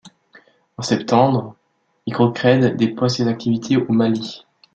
En septembre, Microcred déploie ses activités au Mali.